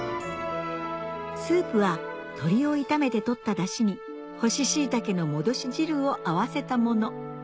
スープは鶏を炒めて取ったダシに干しシイタケの戻し汁を合わせたもの